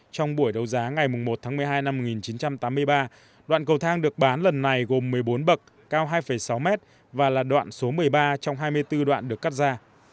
trong buổi đấu giá ngày một tháng một mươi hai năm một nghìn chín trăm tám mươi ba đoạn cầu thang được bán lần này gồm một mươi bốn bậc cao hai sáu mét và là đoạn số một mươi ba trong hai mươi bốn đoạn được cắt ra